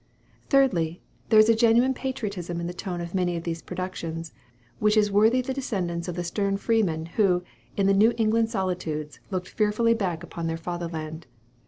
Thirdly there is a genuine patriotism in the tone of many of these productions, which is worthy the descendants of the stern freemen who, in the New England solitudes, looked tearfully back upon their father land.